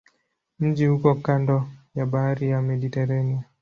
Mji uko kando ya bahari ya Mediteranea.